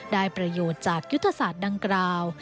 ได้ประโยชน์จากยุทธศาสตร์ดังกล่าว